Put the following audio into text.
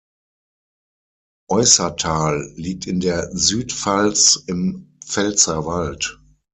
Eußerthal liegt in der Südpfalz im Pfälzerwald.